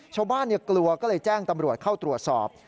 กลัวก็เลยแจ้งตำรวจเข้าตรวจสอบ